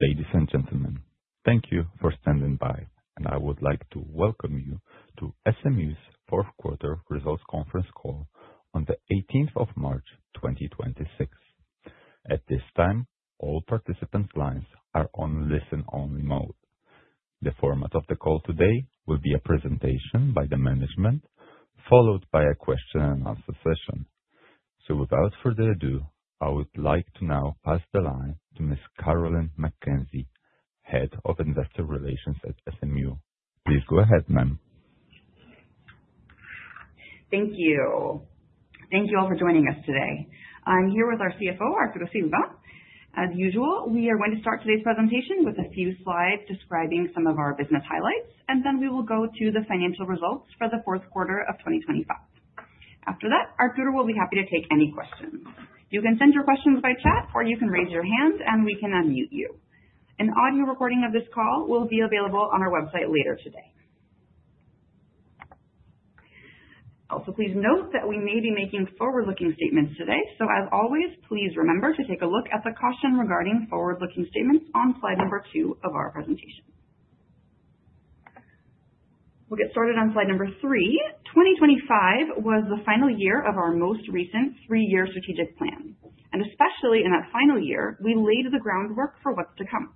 Ladies and gentlemen, thank you for standing by, and I would like to welcome you to SMU's Fourth Quarter Results Conference Call on the 18th of March Also, please note that we may be making forward-looking statements today. As always, please remember to take a look at the caution regarding forward-looking statements on slide number two of our presentation. We'll get started on slide number three. 2025 was the final year of our most recent 3-year strategic plan, and especially in that final year, we laid the groundwork for what's to come.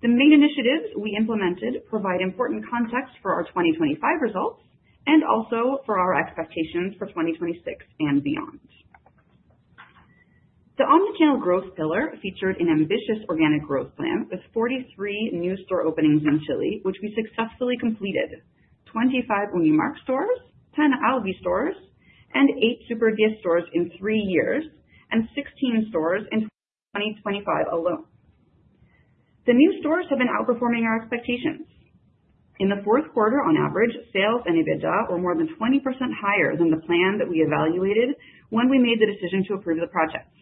The main initiatives we implemented provide important context for our 2025 results and also for our expectations for 2026 and beyond. The omni-channel growth pillar featured an ambitious organic growth plan with 43 new store openings in Chile, which we successfully completed. 25 Unimarc stores, ten Alvi stores, and eight Super 10 stores in 3 years, and 16 stores in 2025 alone. The new stores have been outperforming our expectations. In the fourth quarter, on average, sales and EBITDA were more than 20% higher than the plan that we evaluated when we made the decision to approve the projects.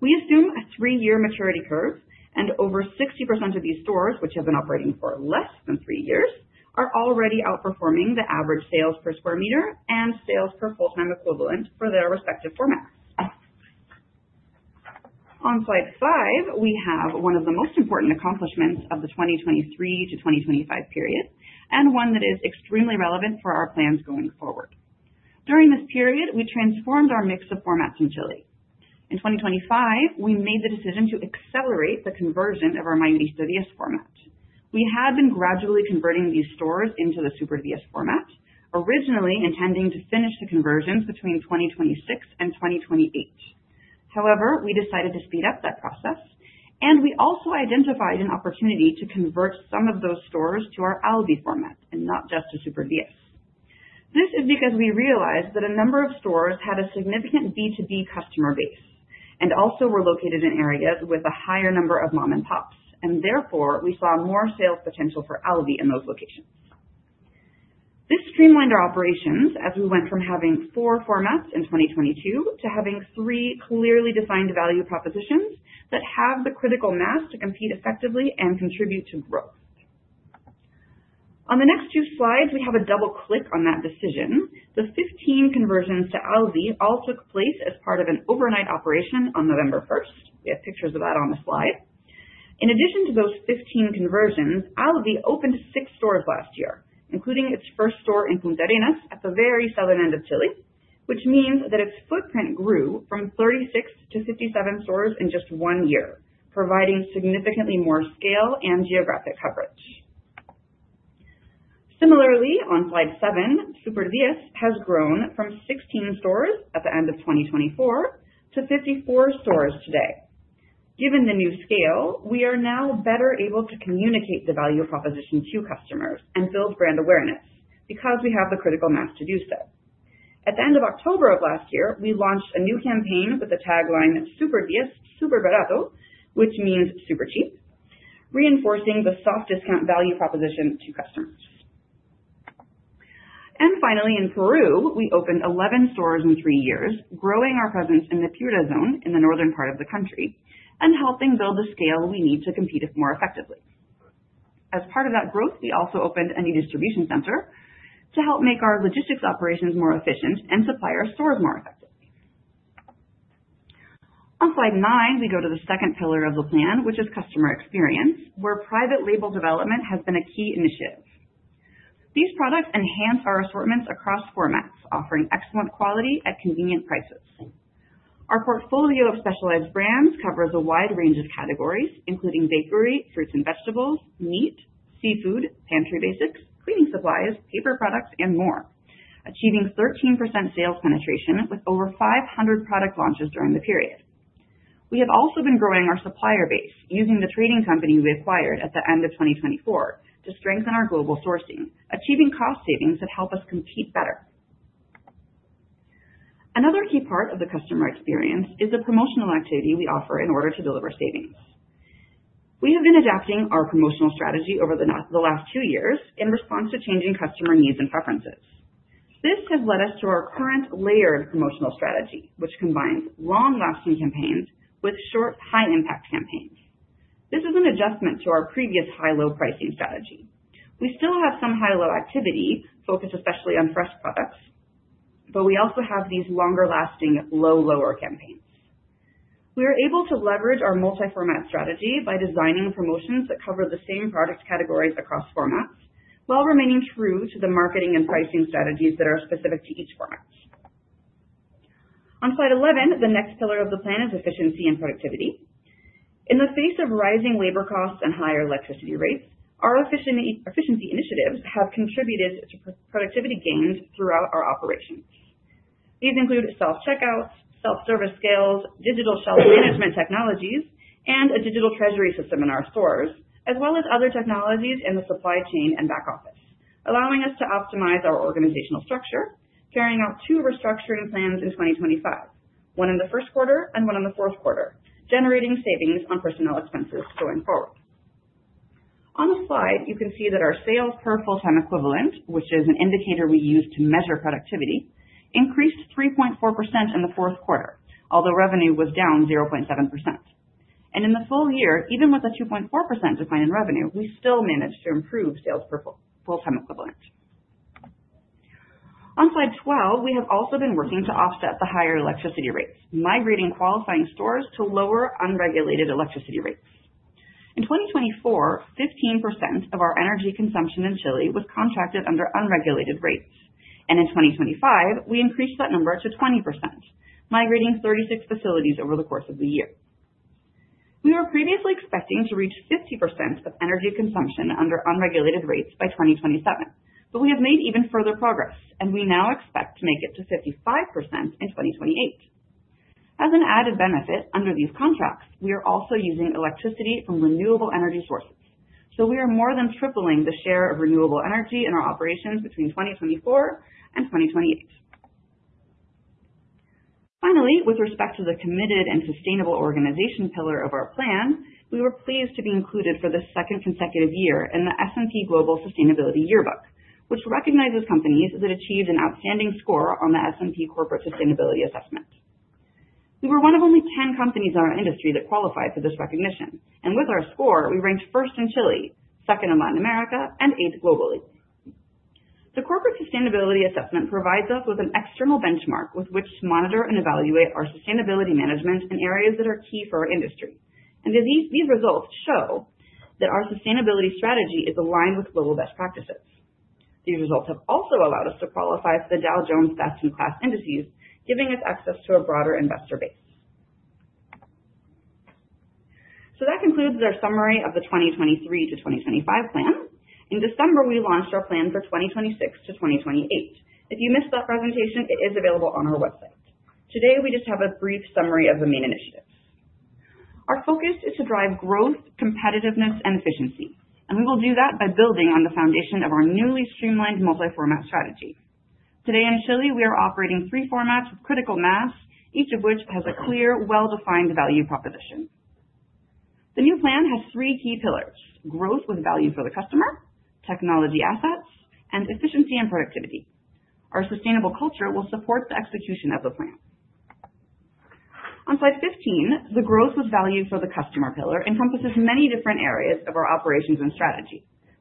We assume a 3-year maturity curve and over 60% of these stores, which have been operating for less than three years, are already outperforming the average sales per square meter and sales per full-time equivalent for their respective formats. On slide five, we have one of the most important accomplishments of the 2023 to 2025 period, and one that is extremely relevant for our plans going forward. During this period, we transformed our mix of formats in Chile. In 2025, we made the decision to accelerate the conversion of our Mayorista 10 format. We had been gradually converting these stores into the Super 10 format, originally intending to finish the conversions between 2026 and 2028. However, we decided to speed up that process, and we also identified an opportunity to convert some of those stores to our Alvi format and not just to Super 10. This is because we realized that a number of stores had a significant B2B customer base and also were located in areas with a higher number of mom-and-pops. Therefore, we saw more sales potential for Alvi in those locations. This streamlined our operations as we went from having four formats in 2022 to having three clearly defined value propositions that have the critical mass to compete effectively and contribute to growth. On the next two slides, we have a double click on that decision. The 15 conversions to Alvi all took place as part of an overnight operation on November 1st. We have pictures of that on the slide. In addition to those 15 conversions, Alvi opened six stores last year, including its first store in Punta Arenas at the very southern end of Chile, which means that its footprint grew from 36 to 57 stores in just 1 year, providing significantly more scale and geographic coverage. Similarly, on slide seven, Super 10 has grown from 16 stores at the end of 2024 to 54 stores today. Given the new scale, we are now better able to communicate the value proposition to customers and build brand awareness because we have the critical mass to do so. At the end of October of last year, we launched a new campaign with the tagline, "Super 10, super barato," which means super cheap, reinforcing the soft discount value proposition to customers. Finally, in Peru, we opened 11 stores in 3 years, growing our presence in the Piura zone in the northern part of the country and helping build the scale we need to compete more effectively. As part of that growth, we also opened a new distribution center to help make our logistics operations more efficient and supply our stores more effectively. On slide nine, we go to the second pillar of the plan, which is customer experience, where private label development has been a key initiative. These products enhance our assortments across formats, offering excellent quality at convenient prices. Our portfolio of specialized brands covers a wide range of categories, including bakery, fruits and vegetables, meat, seafood, pantry basics, cleaning supplies, paper products, and more. Achieving 13% sales penetration with over 500 product launches during the period. We have also been growing our supplier base using the trading company we acquired at the end of 2024 to strengthen our global sourcing, achieving cost savings that help us compete better. Another key part of the customer experience is the promotional activity we offer in order to deliver savings. We have been adapting our promotional strategy over the last two years in response to changing customer needs and preferences. This has led us to our current layered promotional strategy, which combines long-lasting campaigns with short, high-impact campaigns. This is an adjustment to our previous high-low pricing strategy. We still have some high-low activity focused especially on fresh products. We also have these longer-lasting "low, lower" campaigns. We are able to leverage our multi-format strategy by designing promotions that cover the same product categories across formats while remaining true to the marketing and pricing strategies that are specific to each format. On slide 11, the next pillar of the plan is efficiency and productivity. In the face of rising labor costs and higher electricity rates, our efficiency initiatives have contributed to productivity gains throughout our operations. These include self-checkouts, self-service scales, digital shelf management technologies, and a digital treasury system in our stores, as well as other technologies in the supply chain and back office, allowing us to optimize our organizational structure, carrying out two restructuring plans in 2025, one in the first quarter and one in the fourth quarter, generating savings on personnel expenses going forward. On this slide, you can see that our sales per full-time equivalent, which is an indicator we use to measure productivity, increased 3.4% in the fourth quarter, although revenue was down 0.7%. In the full year, even with a 2.4% decline in revenue, we still managed to improve sales per full-time equivalent. On slide 12, we have also been working to offset the higher electricity rates, migrating qualifying stores to lower unregulated electricity rates. In 2024, 15% of our energy consumption in Chile was contracted under unregulated rates. In 2025, we increased that number to 20%, migrating 36 facilities over the course of the year. We were previously expecting to reach 50% of energy consumption under unregulated rates by 2027, but we have made even further progress, and we now expect to make it to 55% in 2028. As an added benefit, under these contracts, we are also using electricity from renewable energy sources. We are more than tripling the share of renewable energy in our operations between 2024 and 2028. Finally, with respect to the committed and sustainable organization pillar of our plan, we were pleased to be included for the second consecutive year in the S&P Global Sustainability Yearbook, which recognizes companies that achieved an outstanding score on the S&P Global Corporate Sustainability Assessment. We were one of only ten companies in our industry that qualified for this recognition, and with our score, we ranked first in Chile, second in Latin America, and eighth globally. The Corporate Sustainability Assessment provides us with an external benchmark with which to monitor and evaluate our sustainability management in areas that are key for our industry. These results show that our sustainability strategy is aligned with global best practices. These results have also allowed us to qualify for the Dow Jones Best-in-Class indices, giving us access to a broader investor base. That concludes our summary of the 2023-2025 plan. In December, we launched our plan for 2026-2028. If you missed that presentation, it is available on our website. Today, we just have a brief summary of the main initiatives. Our focus is to drive growth, competitiveness, and efficiency, and we will do that by building on the foundation of our newly streamlined multi-format strategy. Today in Chile, we are operating three formats with critical mass, each of which has a clear, well-defined value proposition. The new plan has three key pillars, growth with value for the customer, technology assets, and efficiency and productivity. Our sustainable culture will support the execution of the plan. On slide 15, the growth with value for the customer pillar encompasses many different areas of our operations and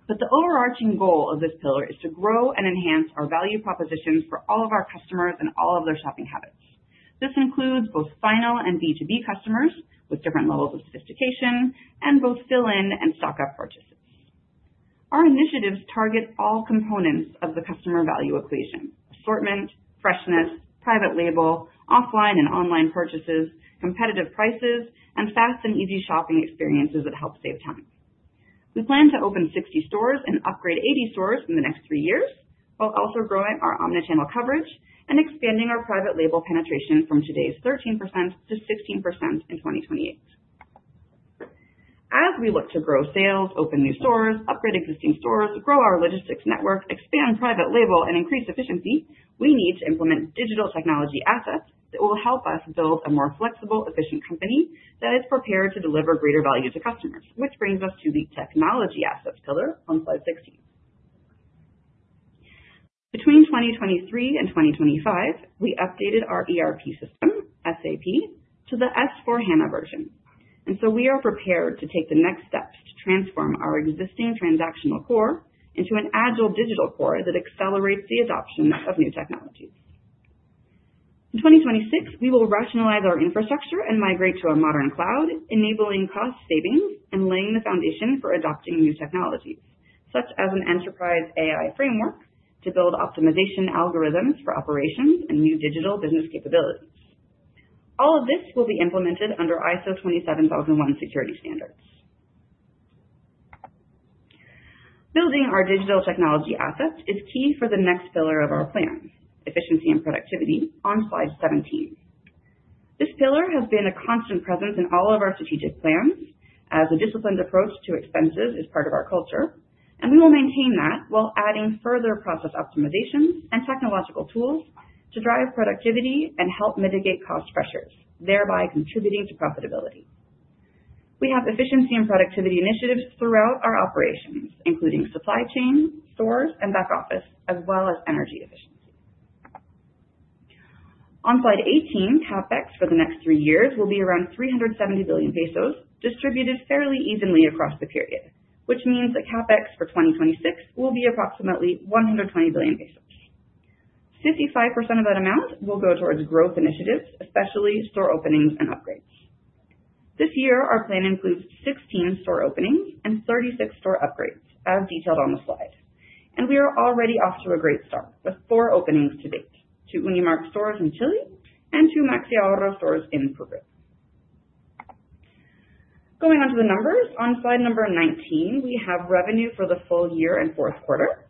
strategy. The overarching goal of this pillar is to grow and enhance our value propositions for all of our customers and all of their shopping habits. This includes both final and B2B customers with different levels of sophistication and both fill-in and stock-up purchases. Our initiatives target all components of the customer value equation, assortment, freshness, private label, offline and online purchases, competitive prices, and fast and easy shopping experiences that help save time. We plan to open 60 stores and upgrade 80 stores in the next three years, while also growing our omni-channel coverage and expanding our private label penetration from today's 13% to 16% in 2028. As we look to grow sales, open new stores, upgrade existing stores, grow our logistics network, expand private label, and increase efficiency, we need to implement digital technology assets that will help us build a more flexible, efficient company that is prepared to deliver greater value to customers, which brings us to the technology assets pillar on slide 16. Between 2023 and 2025, we updated our ERP system, SAP, to the S/4HANA version. We are prepared to take the next steps to transform our existing transactional core into an agile digital core that accelerates the adoption of new technologies. In 2026, we will rationalize our infrastructure and migrate to a modern cloud, enabling cost savings and laying the foundation for adopting new technologies, such as an enterprise AI framework to build optimization algorithms for operations and new digital business capabilities. All of this will be implemented under ISO/IEC 27001 security standards. Building our digital technology assets is key for the next pillar of our plan, efficiency and productivity, on slide 17. This pillar has been a constant presence in all of our strategic plans as a disciplined approach to expenses is part of our culture, and we will maintain that while adding further process optimizations and technological tools to drive productivity and help mitigate cost pressures, thereby contributing to profitability. We have efficiency and productivity initiatives throughout our operations, including supply chain, stores, and back office, as well as energy efficiency. On slide 18, CapEx for the next three years will be around 370 billion pesos, distributed fairly evenly across the period, which means the CapEx for 2026 will be approximately 120 billion pesos. 55% of that amount will go towards growth initiatives, especially store openings and upgrades. This year, our plan includes 16 store openings and 36 store upgrades, as detailed on the slide. We are already off to a great start with four openings to date, two Unimarc stores in Chile and two Maxi Ahorro stores in Peru. Going on to the numbers. On slide number 19, we have revenue for the full year and fourth quarter.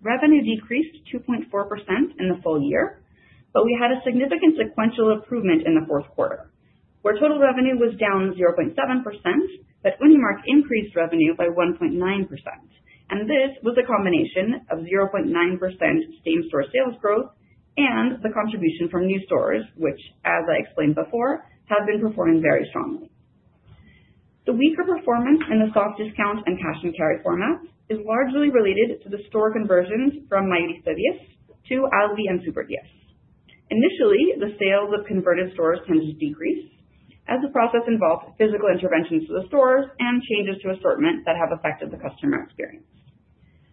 Revenue decreased 2.4% in the full year, but we had a significant sequential improvement in the fourth quarter, where total revenue was down 0.7%, but Unimarc increased revenue by 1.9%. This was a combination of 0.9% same-store sales growth and the contribution from new stores, which, as I explained before, have been performing very strongly. The weaker performance in the soft discount and cash and carry formats is largely related to the store conversions from Mayorista 10 to Alvi and Super 10. Initially, the sales of converted stores tend to decrease as the process involves physical interventions to the stores and changes to assortment that have affected the customer experience.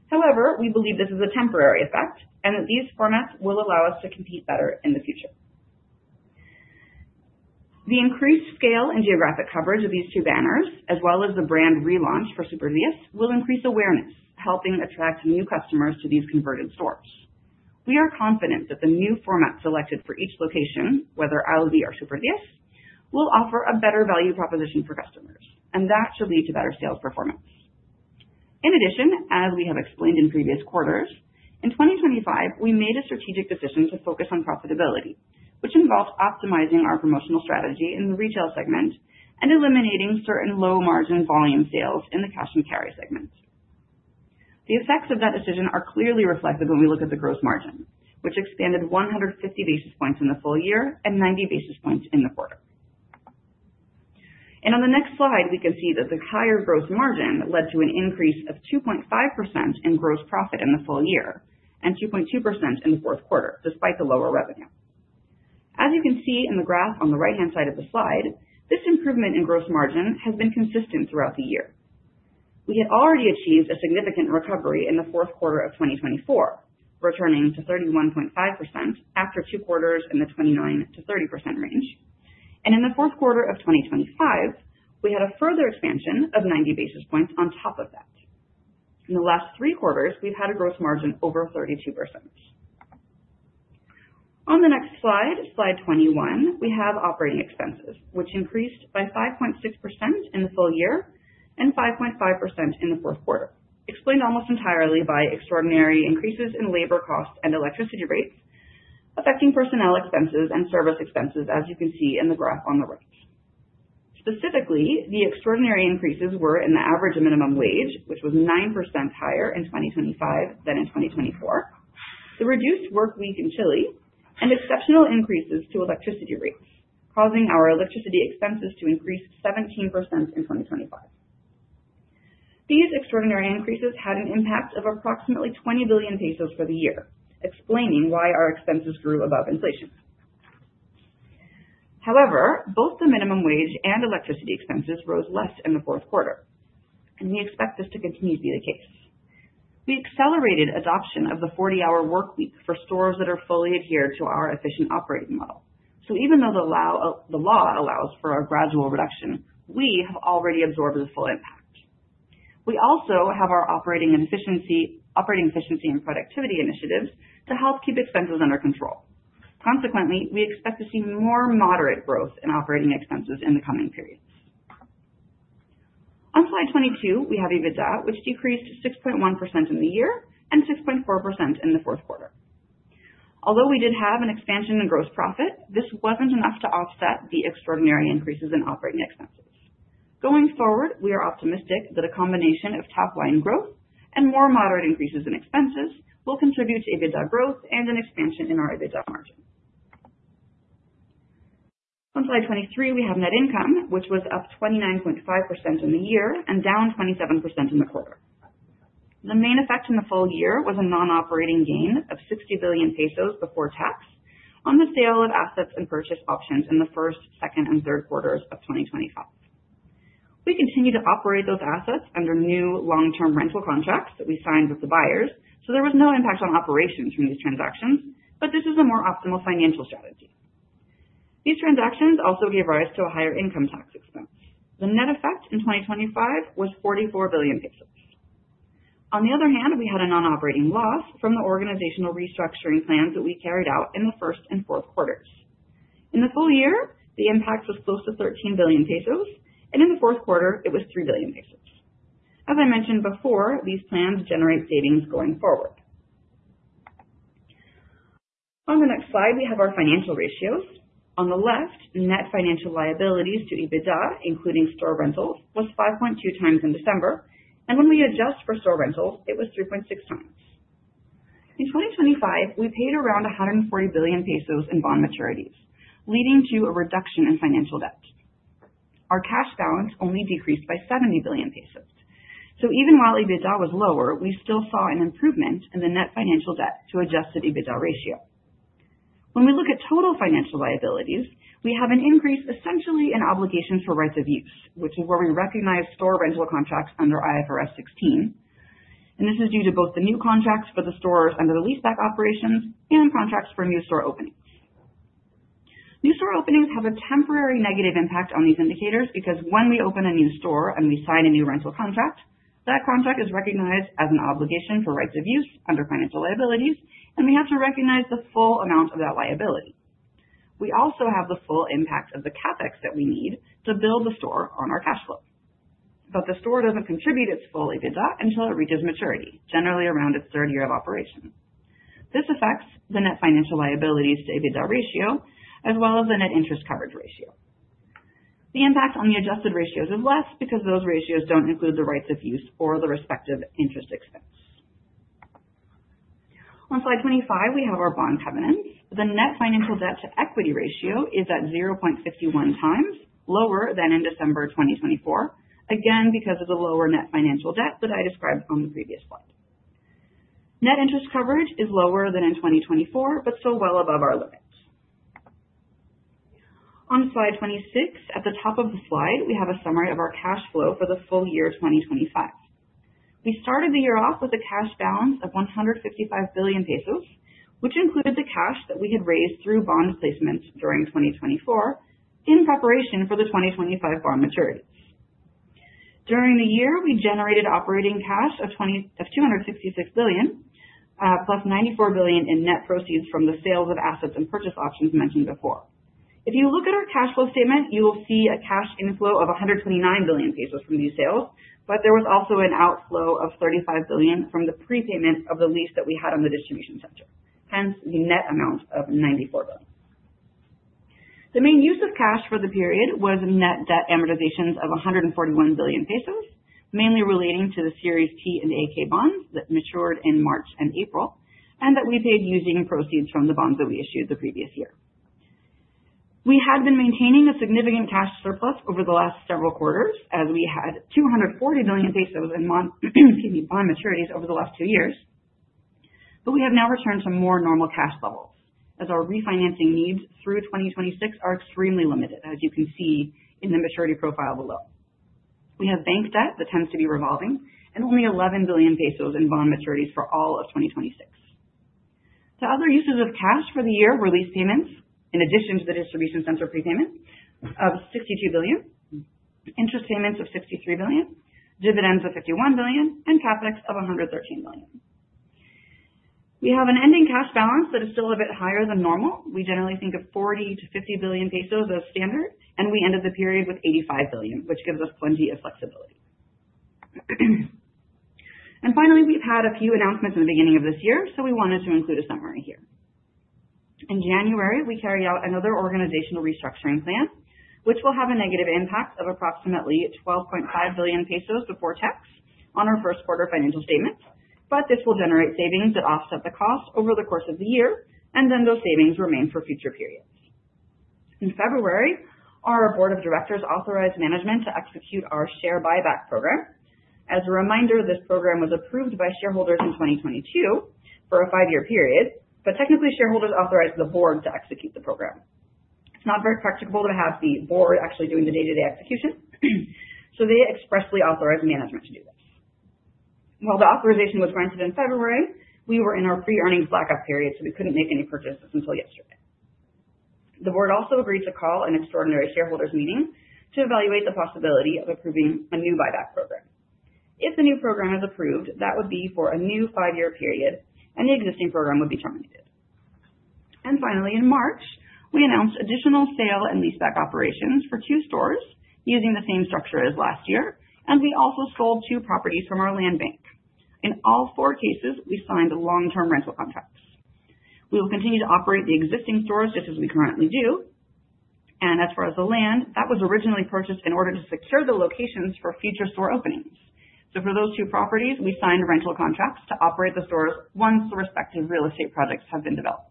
However, we believe this is a temporary effect and that these formats will allow us to compete better in the future. The increased scale and geographic coverage of these two banners, as well as the brand relaunch for Super 10, will increase awareness, helping attract new customers to these converted stores. We are confident that the new format selected for each location, whether Alvi or Super 10, will offer a better value proposition for customers, and that should lead to better sales performance. In addition, as we have explained in previous quarters, in 2025, we made a strategic decision to focus on profitability, which involves optimizing our promotional strategy in the retail segment and eliminating certain low-margin volume sales in the cash and carry segment. The effects of that decision are clearly reflected when we look at the gross margin, which expanded 150 basis points in the full year and 90 basis points in the quarter. On the next slide, we can see that the higher gross margin led to an increase of 2.5% in gross profit in the full year and 2.2% in the fourth quarter, despite the lower revenue. As you can see in the graph on the right-hand side of the slide, this improvement in gross margin has been consistent throughout the year. We had already achieved a significant recovery in the fourth quarter of 2024, returning to 31.5% after two quarters in the 29%-30% range. In the fourth quarter of 2025, we had a further expansion of 90 basis points on top of that. In the last three quarters, we've had a gross margin over 32%. On the next slide, slide 21, we have operating expenses, which increased by 5.6% in the full year and 5.5% in the fourth quarter, explained almost entirely by extraordinary increases in labor costs and electricity rates, affecting personnel expenses and service expenses, as you can see in the graph on the right. Specifically, the extraordinary increases were in the average minimum wage, which was 9% higher in 2025 than in 2024, the reduced workweek in Chile, and exceptional increases to electricity rates, causing our electricity expenses to increase 17% in 2025. These extraordinary increases had an impact of approximately 20 billion pesos for the year, explaining why our expenses grew above inflation. However, both the minimum wage and electricity expenses rose less in the fourth quarter, and we expect this to continue to be the case. We accelerated adoption of the 40-hour workweek for stores that are fully adhered to our efficient operating model. Even though the law allows for a gradual reduction, we have already absorbed the full impact. We also have our operating efficiency and productivity initiatives to help keep expenses under control. Consequently, we expect to see more moderate growth in operating expenses in the coming periods. On slide 22, we have EBITDA, which decreased 6.1% in the year and 6.4% in the fourth quarter. Although we did have an expansion in gross profit, this wasn't enough to offset the extraordinary increases in operating expenses. Going forward, we are optimistic that a combination of top-line growth and more moderate increases in expenses will contribute to EBITDA growth and an expansion in our EBITDA margin. On slide 23, we have net income, which was up 29.5% in the year and down 27% in the quarter. The main effect in the full year was a non-operating gain of 60 billion pesos before tax on the sale of assets and purchase options in the first, second and third quarters of 2025. We continue to operate those assets under new long-term rental contracts that we signed with the buyers, so there was no impact on operations from these transactions, but this is a more optimal financial strategy. These transactions also gave rise to a higher income tax expense. The net effect in 2025 was 44 billion pesos. On the other hand, we had a non-operating loss from the organizational restructuring plans that we carried out in the first and fourth quarters. In the full year, the impact was close to 13 billion pesos, and in the fourth quarter, it was 3 billion pesos. As I mentioned before, these plans generate savings going forward. On the next slide, we have our financial ratios. On the left, net financial liabilities to EBITDA, including store rentals, was 5.2x in December, and when we adjust for store rentals, it was 3.6x. In 2025, we paid around 140 billion pesos in bond maturities, leading to a reduction in financial debt. Our cash balance only decreased by 70 billion pesos. Even while EBITDA was lower, we still saw an improvement in the net financial debt to adjusted EBITDA ratio. When we look at total financial liabilities, we have an increase essentially in obligations for rights of use, which is where we recognize store rental contracts under IFRS 16, and this is due to both the new contracts for the stores under the leaseback operations and contracts for new store openings. New store openings have a temporary negative impact on these indicators because when we open a new store and we sign a new rental contract, that contract is recognized as an obligation for rights of use under financial liabilities, and we have to recognize the full amount of that liability. We also have the full impact of the CapEx that we need to build the store on our cash flow. The store doesn't contribute its full EBITDA until it reaches maturity, generally around its third year of operation. This affects the net financial liabilities to EBITDA ratio as well as the net interest coverage ratio. The impact on the adjusted ratios is less because those ratios don't include the rights of use or the respective interest expense. On slide 25, we have our bond covenants. The net financial debt to equity ratio is at 0.51x lower than in December 2024, again because of the lower net financial debt that I described on the previous slide. Net interest coverage is lower than in 2024, but still well above our limits. On slide 26, at the top of the slide, we have a summary of our cash flow for the full year 2025. We started the year off with a cash balance of 155 billion pesos, which included the cash that we had raised through bond placements during 2024 in preparation for the 2025 bond maturities. During the year, we generated operating cash of 266 billion, plus 94 billion in net proceeds from the sales of assets and purchase options mentioned before. If you look at our cash flow statement, you will see a cash inflow of 129 billion pesos from these sales, but there was also an outflow of 35 billion from the prepayment of the lease that we had on the distribution center. Hence the net amount of 94 billion. The main use of cash for the period was net debt amortizations of 141 billion pesos, mainly relating to the Series T and AK bonds that matured in March and April, and that we paid using proceeds from the bonds that we issued the previous year. We had been maintaining a significant cash surplus over the last several quarters, as we had 240 billion pesos in bond maturities over the last two years. We have now returned to more normal cash levels as our refinancing needs through 2026 are extremely limited, as you can see in the maturity profile below. We have bank debt that tends to be revolving and only 11 billion pesos in bond maturities for all of 2026. The other uses of cash for the year were lease payments, in addition to the distribution center prepayment of CLP 62 billion, interest payments of CLP 63 billion, dividends of CLP 51 billion, and CapEx of CLP 113 billion. We have an ending cash balance that is still a bit higher than normal. We generally think of 40 billion-50 billion pesos as standard, and we ended the period with 85 billion, which gives us plenty of flexibility. Finally, we've had a few announcements in the beginning of this year, so we wanted to include a summary here. In January, we carry out another organizational restructuring plan, which will have a negative impact of approximately 12.5 billion pesos before tax on our first quarter financial statements This will generate savings that offset the cost over the course of the year, and then those savings remain for future periods. In February, our board of directors authorized management to execute our share buyback program. As a reminder, this program was approved by shareholders in 2022 for a five-year period, but technically shareholders authorized the board to execute the program. It's not very practicable to have the board actually doing the day-to-day execution, so they expressly authorized management to do this. While the authorization was granted in February, we were in our pre-earnings blackout period, so we couldn't make any purchases until yesterday. The board also agreed to call an extraordinary shareholders meeting to evaluate the possibility of approving a new buyback program. If the new program is approved, that would be for a new five-year period and the existing program would be terminated. Finally, in March, we announced additional sale and leaseback operations for two stores using the same structure as last year, and we also sold two properties from our land bank. In all four cases, we signed long-term rental contracts. We will continue to operate the existing stores just as we currently do. As far as the land, that was originally purchased in order to secure the locations for future store openings. For those two properties, we signed rental contracts to operate the stores once the respective real estate projects have been developed.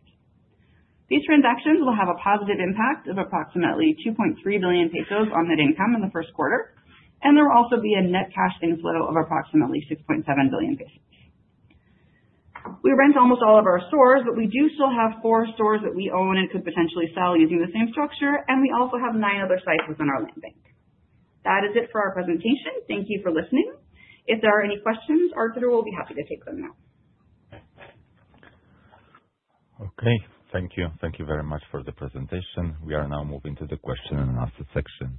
These transactions will have a positive impact of approximately 2.3 billion pesos on net income in the first quarter, and there will also be a net cash inflow of approximately 6.7 billion pesos. We rent almost all of our stores, but we do still have four stores that we own and could potentially sell using the same structure, and we also have nine other sites within our land bank. That is it for our presentation. Thank you for listening. If there are any questions, Arturo will be happy to take them now. Okay. Thank you. Thank you very much for the presentation. We are now moving to the question and answer section.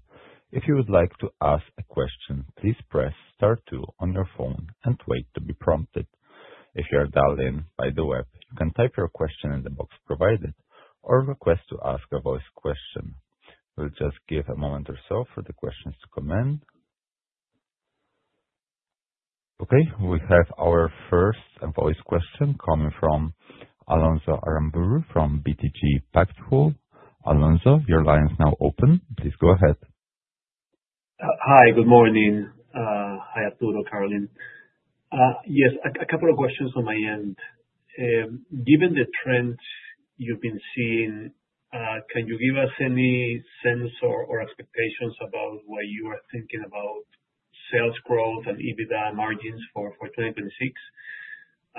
If you would like to ask a question, please press star two on your phone and wait to be prompted. If you are dialed in by the web, you can type your question in the box provided or request to ask a voice question. We'll just give a moment or so for the questions to come in. Okay, we have our first voice question coming from Alonso Aramburu from BTG Pactual. Alonso, your line is now open. Please go ahead. Hi. Good morning. Hi, Arturo, Carolyn. Yes. A couple of questions on my end. Given the trends you've been seeing, can you give us any sense or expectations about what you are thinking about sales growth and EBITDA margins for 2026?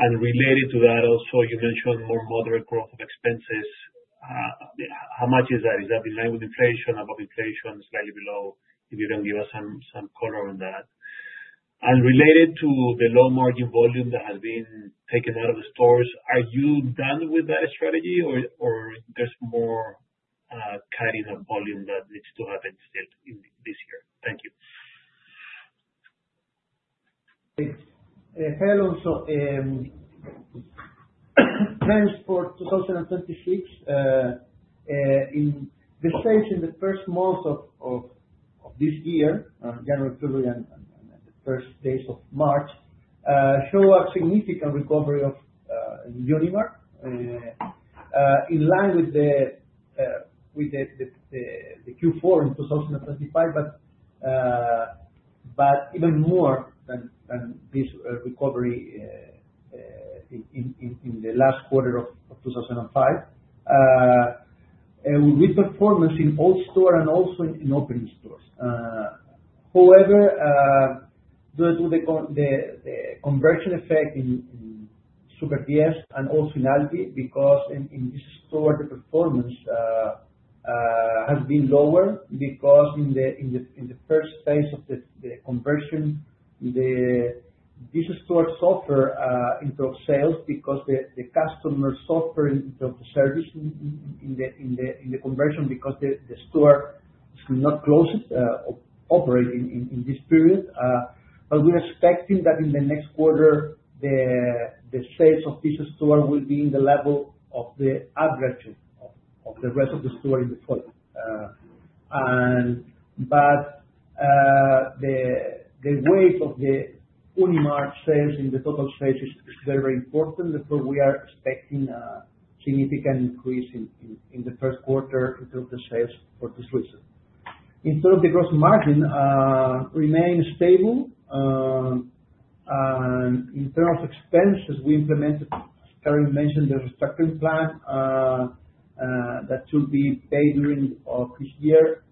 Related to that also, you mentioned more moderate growth of expenses. How much is that? Is that in line with inflation, above inflation, slightly below? If you can give us some color on that. Related to the low margin volume that has been taken out of the stores, are you done with that strategy or there's more cutting of volume that needs to happen still in this year? Thank you. Thanks. Hello. Trends for 2026 in the sales in the first months of this year, January, February, and the first days of March, show a significant recovery in Unimarc in line with the Q4 in 2025. Even more than this recovery in the last quarter of 2025, with good performance in old store and also in opening stores. However, due to the conversion effect in Super 10 and also in Alvi, because in this store, the performance has been lower because in the first phase of the conversion, this store suffers in terms of sales because the customers suffer in terms of service in the conversion because the store is not closed operating in this period. We're expecting that in the next quarter, the sales of this store will be in the level of the average of the rest of the store in the portfolio. The weight of the Unimarc sales in the total sales is very important. That's why we are expecting a significant increase in the first quarter in terms of sales for this reason. In terms of gross margin, it remains stable. In terms of expenses, we implemented, as Carolyn McKenzie mentioned, the restructuring plan that should be paid during this year.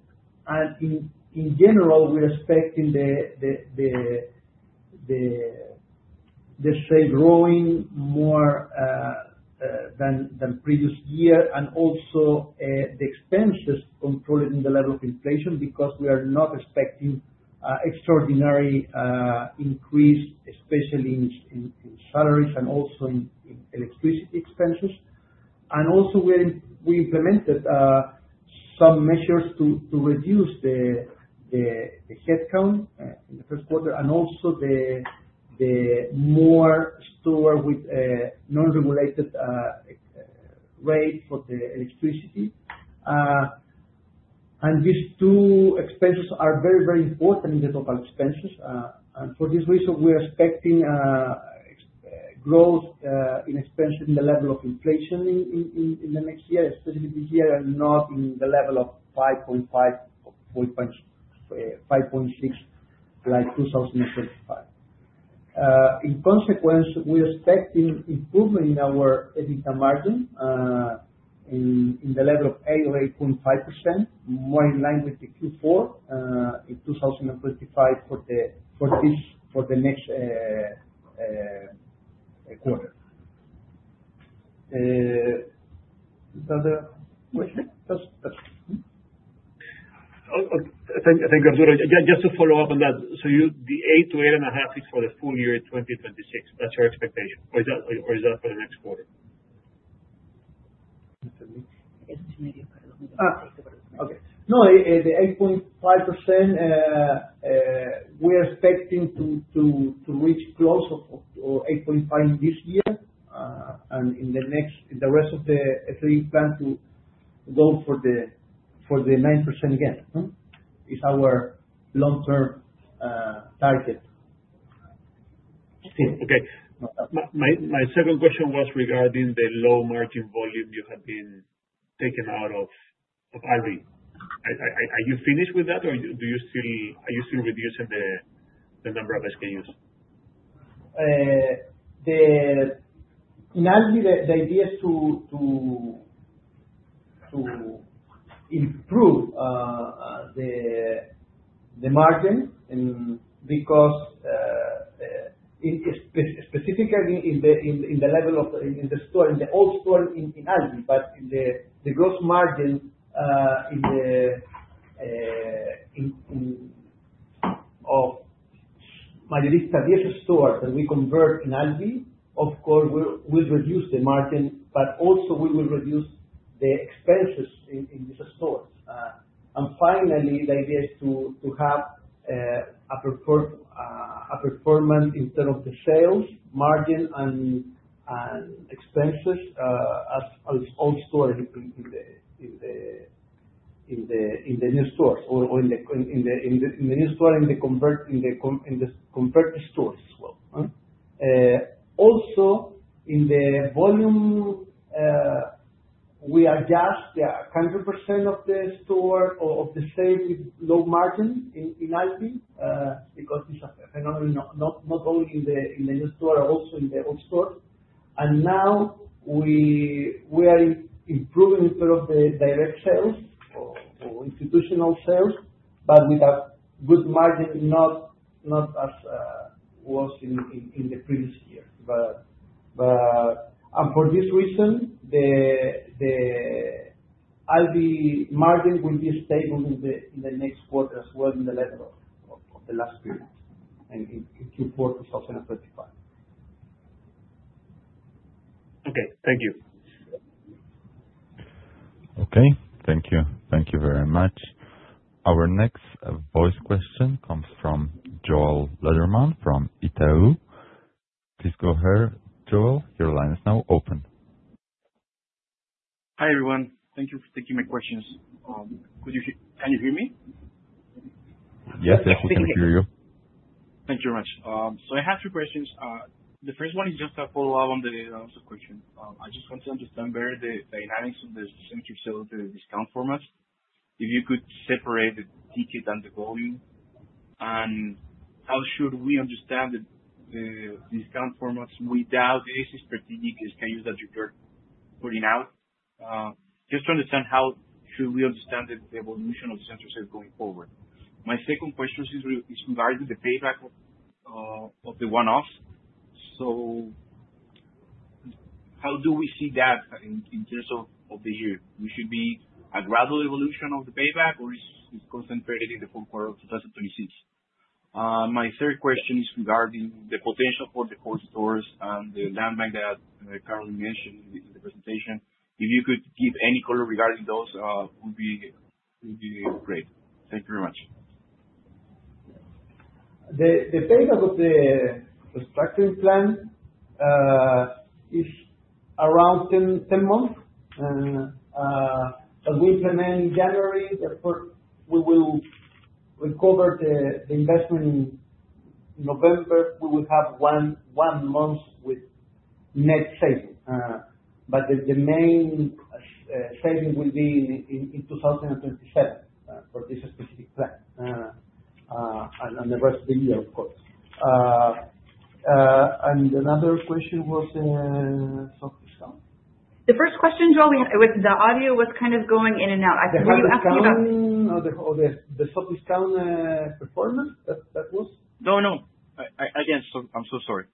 In general, we are expecting the sales growing more than the previous year. Also, the expenses controlled at the level of inflation because we are not expecting extraordinary increase, especially in salaries and also in electricity expenses. Also, we implemented some measures to reduce the headcount in the first quarter and also more stores with non-regulated rate for the electricity. These two expenses are very important in the total expenses. For this reason, we're expecting growth in expense in the level of inflation in the next year, especially this year, and not in the level of 5.5% or 5.6% like 2025. In consequence, we are expecting improvement in our EBITDA margin in the level of 8% or 8.5%, more in line with the Q4 in 2025 for the next quarter. Is there another question? Thank you, Arturo. Just to follow up on that. The 8%-8.5% is for the full year 2026. That's your expectation? Or is that for the next quarter? Okay. No, 8.5%, we are expecting to reach close to 8.5% this year. Actually we plan to go for the 9% again. It's our long-term target. Okay. My second question was regarding the low margin volume you have been taking out of Alvi. Are you finished with that or are you still reducing the number of SKUs? In Alvi, the idea is to improve the margin. Because specifically in the level of the store, in the old store in Alvi. In the gross margin in the Mayorista 10 store that we convert to Alvi, of course, we'll reduce the margin, but also we will reduce the expenses in this store. Finally, the idea is to have a preferred performance in terms of the sales margin and expenses, as old store in the new stores or in the new store, in the converted stores as well. Also in the volume, we adjust 100% of the store of the same low margin in Alvi, because it's a phenomenon, not only in the new store, also in the old store. Now we are improving sort of the direct sales or institutional sales, but with a good margin, not as was in the previous year. For this reason, the Alvi margin will be stable in the next quarter as well in the level of the last three months and in Q4 2025. Okay. Thank you. Okay. Thank you. Thank you very much. Our next voice question comes from Joel Lederman from Itaú. Please go ahead, Joel. Your line is now open. Hi, everyone. Thank you for taking my questions. Can you hear me? Yes, yes, we can hear you. Thank you very much. I have two questions. The first one is just a follow-up on the data question. I just want to understand better the dynamics of the same-store sales, the discount formats, if you could separate the ticket and the volume. How should we understand the discount formats without the strategic SKUs that you are putting out? Just to understand how should we understand the evolution of same stores going forward. My second question is regarding the payback of the one-offs. How do we see that in terms of the year? Should it be a gradual evolution of the payback or is concentrated in the full quarter of 2026? My third question is regarding the potential for default stores and the land bank that Carolyn McKenzie mentioned in the presentation. If you could give any color regarding those, would be great. Thank you very much. The payback of the restructuring plan is around ten months. As we implement in January, therefore we will recover the investment in November. We will have one month with net savings. The main saving will be in 2027 for this specific plan and the rest of the year, of course. Another question was soft discount? The first question, Joel. The audio was kind of going in and out. I think you were asking about- The hard discount or the soft discount performance that was? No, no. I'm so sorry.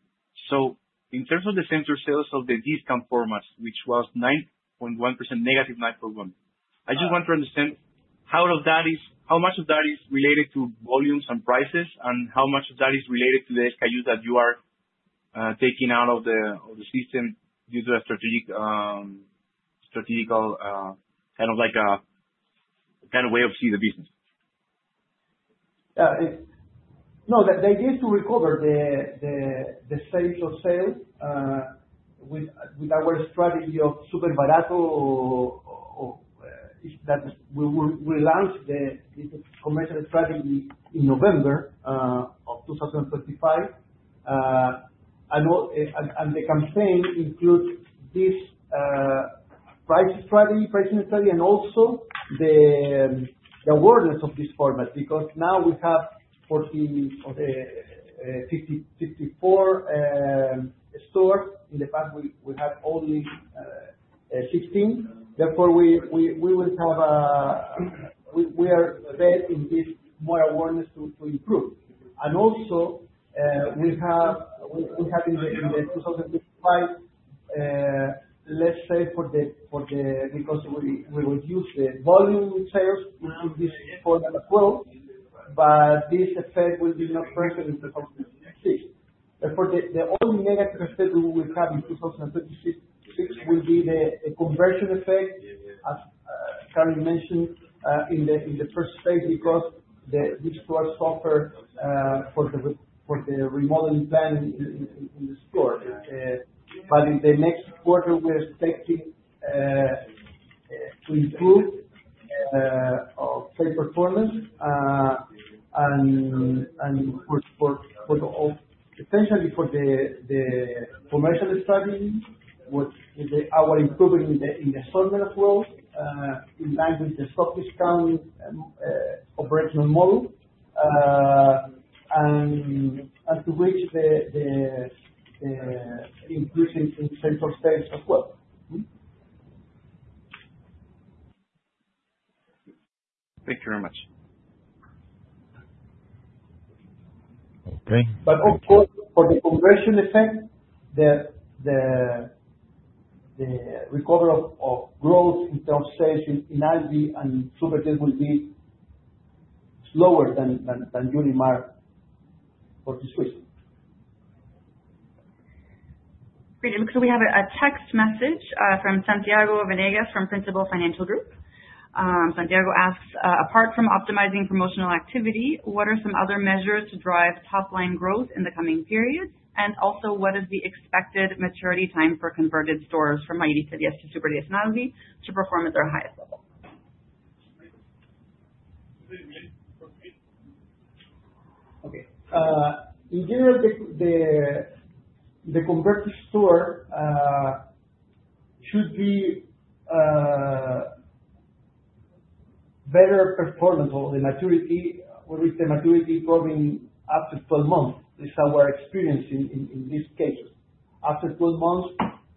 In terms of the same-store sales of the discount formats, which was 9.1%, negative 9.1%. I just want to understand how much of that is related to volumes and prices, and how much of that is related to the SKU that you are taking out of the system due to a strategic way to see the business. No, the idea is to recover the same-store sales with our strategy of Super Barato or is that we will relaunch the commercial strategy in November of 2025. The campaign includes this pricing strategy and also the awareness of this format, because now we have 14 and 54 stores. In the past we had only 16. Therefore, we are betting on this more awareness to improve. Also, we have in the 2025, because we reduce the volume sales into this format as well, but this effect will not be present in 2026. Therefore, the only negative effect we will have in 2026 will be a conversion effect, as Carolyn mentioned, in the first phase because these stores suffer for the remodeling plan in the store. In the next quarter we are expecting to improve our same performance. And for the all, potentially for the commercial strategy with our improvement in the assortment as well, in line with the soft discount operational model. And to which the improvements in same-store sales as well. Thank you very much. Okay. Of course, for the conversion effect, the recovery of growth in terms of sales in Alvi and Super 10 will be slower than Unimarc for this reason. Great. We have a text message from Santiago Venegas from Principal Financial Group. Santiago asks, "Apart from optimizing promotional activity, what are some other measures to drive top-line growth in the coming periods? And also, what is the expected maturity time for converted stores from Mayorista 10 to Super 10 and Alvi to perform at their highest level?" Okay. In general, the converted store should be better performance or the maturity, or with the maturity probably after 12 months is our experience in this case. After 12 months,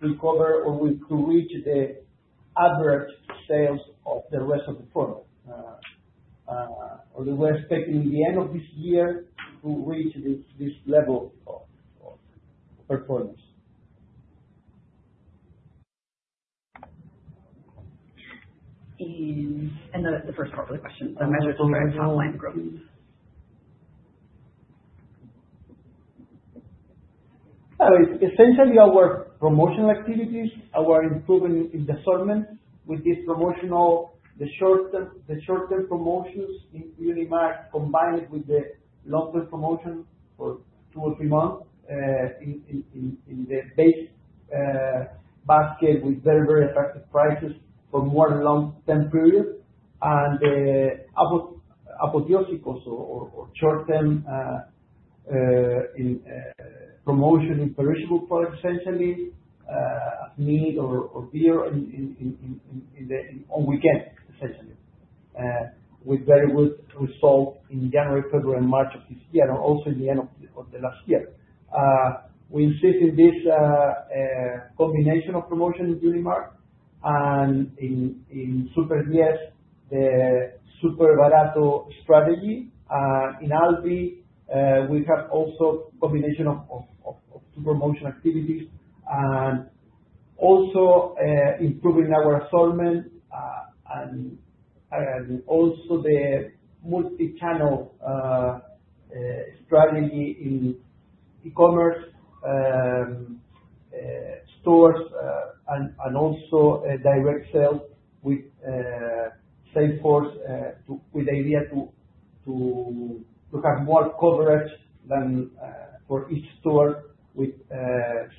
recover or we could reach the average sales of the rest of the product. Or we were expecting the end of this year to reach this level of performance. That's the first part of the question. The measures to drive top line growth. Essentially our promotional activities are improving in the assortment with this promotional, the short-term promotions in Unimarc, combined with the long-term promotion for two or three months in the base basket with very attractive prices for more long-term periods and apoteósico or short-term promotion in perishable products, essentially meat or beer on weekends, essentially, with very good result in January, February, and March of this year and also in the end of last year. We insist on this combination of promotion in Unimarc and in Super 10, the Super Barato strategy. In Alvi, we have also combination of super promotion activities and also improving our assortment and also the omni-channel strategy in e-commerce stores and also direct sales with sales force with the idea to have more coverage that for each store with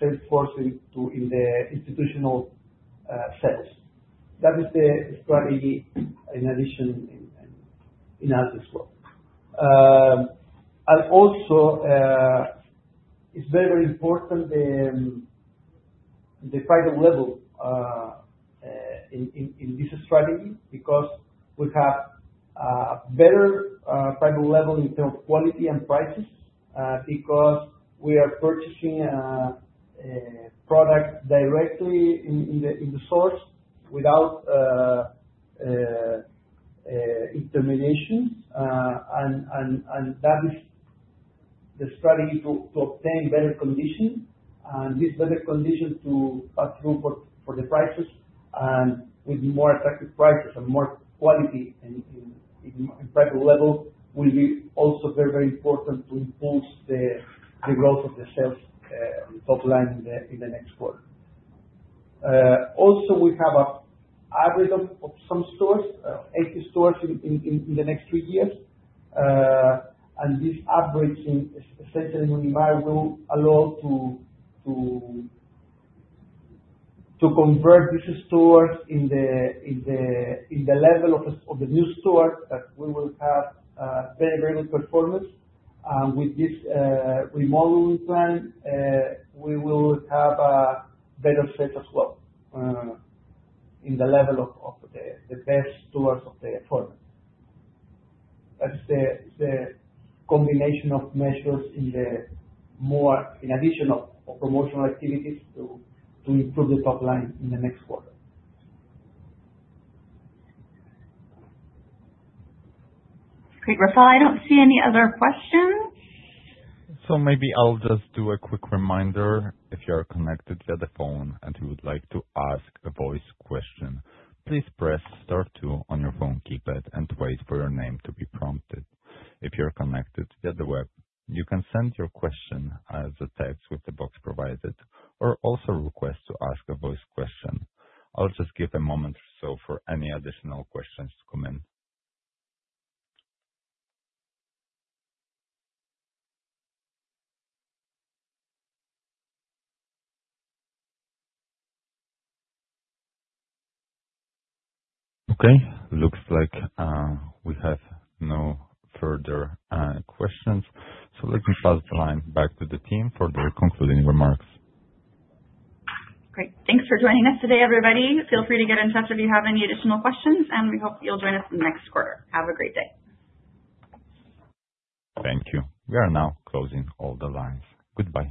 sales force into the institutional sales. That is the strategy in addition in Alvi's world. It's very important, the private label in this strategy because we have better private label in terms of quality and prices because we are purchasing product directly in the source without intermediation. That is the strategy to obtain better conditions and use better conditions to pass through for the prices and with more attractive prices and more quality in private labels will also be very important to improve the growth of the sales and the top line in the next quarter. Also we have an average of some stores, 80 stores in the next three years. This average, especially in Unimarc will allow to convert these stores to the level of the new stores that we will have very good performance. With this remodeling plan, we will have a better set as well in the level of the best stores of the performance. That is the combination of measures in addition of promotional activities to improve the top line in the next quarter. Great. Rafael, I don't see any other questions. Maybe I'll just do a quick reminder. If you are connected via the phone and you would like to ask a voice question, please press star two on your phone keypad and wait for your name to be prompted. If you're connected via the web, you can send your question as a text with the box provided or also request to ask a voice question. I'll just give a moment or so for any additional questions to come in. Okay. Looks like, we have no further questions, so let me pass the line back to the team for their concluding remarks. Great. Thanks for joining us today, everybody. Feel free to get in touch if you have any additional questions, and we hope you'll join us in the next quarter. Have a great day. Thank you. We are now closing all the lines. Goodbye.